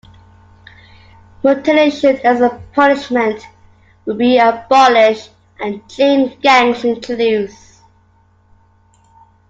Mutilation as a punishment would be abolished, and chain gangs introduced.